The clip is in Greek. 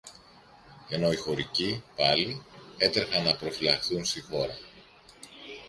ενώ οι χωρικοί, πάλι, έτρεχαν να προφυλαχθούν στη χώρα.